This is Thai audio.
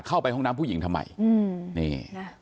เข้าไปห้องน้ำผู้หญิงทำไมอืมนี่